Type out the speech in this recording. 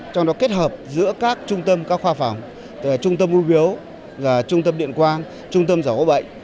trong đó kết hợp giữa các trung tâm cao khoa phòng trung tâm u biếu trung tâm điện quang trung tâm giảo hộ bệnh